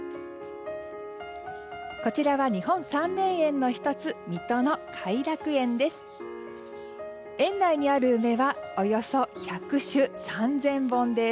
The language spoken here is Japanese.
こちらは日本三名園の１つ水戸の偕楽園です。